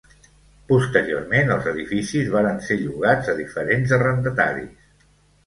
Posteriorment, els edificis varen ser llogats a diferents arrendataris.